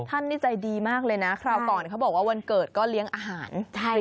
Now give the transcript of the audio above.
ท่านนี่ใจดีมากเลยนะเค้าบอกว่าวันเกิดก็เลี้ยงอาหาร